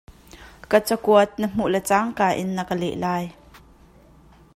Ka cakuat na hmuh le cangka in na ka leh lai.